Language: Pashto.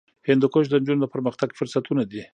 هندوکش د نجونو د پرمختګ فرصتونه دي.